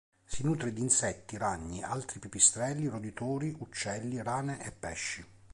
Si nutre di insetti, ragni, altri pipistrelli, roditori, uccelli, rane e pesci.